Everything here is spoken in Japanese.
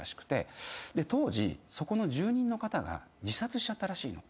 当時そこの住人の方が自殺しちゃったらしいの。